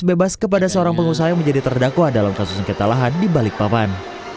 bebas kepada seorang pengusaha yang menjadi terdakwa dalam kasus sengketa lahan di balikpapan